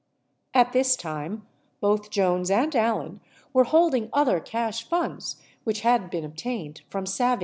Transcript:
At this time both Jones and Allen were holding other cash funds which had been obtained from Savy.